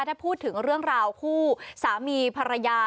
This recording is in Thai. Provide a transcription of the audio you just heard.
ถ้าพูดถึงเรื่องราวคู่สามีภรรยา